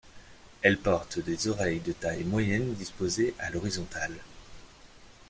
Elle porte des oreilles de taille moyenne, disposées à l'horizontale.